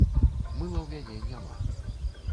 Мыла ў мяне няма.